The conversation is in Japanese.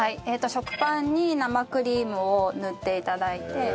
食パンに生クリームを塗って頂いて。